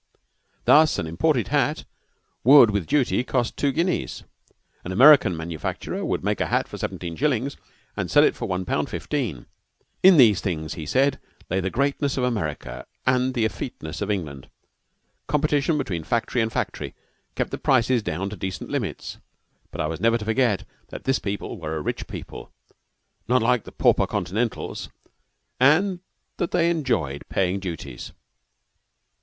Thus an imported hat would, with duty, cost two guineas. The American manufacturer would make a hat for seventeen shillings, and sell it for one pound fifteen. In these things, he said, lay the greatness of America and the effeteness of England. Competition between factory and factory kept the prices down to decent limits, but I was never to forget that this people were a rich people, not like the pauper Continentals, and that they enjoyed paying duties.